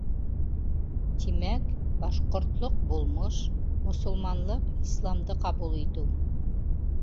Тимәк, башҡортлоҡ — булмыш, мосолманлыҡ — Исламды ҡабул итеү.